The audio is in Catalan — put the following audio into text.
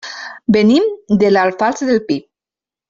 Venim de l'Alfàs del Pi.